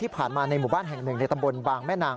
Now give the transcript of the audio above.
ที่ผ่านมาในหมู่บ้านแห่งหนึ่งในตำบลบางแม่นาง